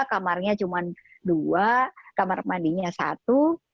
kamarnya cuma dua kamar mandinya satu